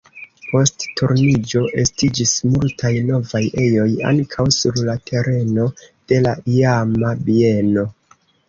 Post Turniĝo estiĝis multaj novaj ejoj, ankaŭ sur la tereno de la iama bieno.